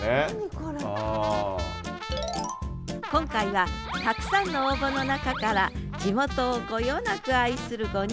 今回はたくさんの応募の中から地元をこよなく愛する５人を選出。